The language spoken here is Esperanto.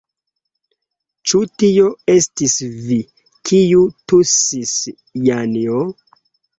Ĉu tio estis vi, kiu tusis, Janjo?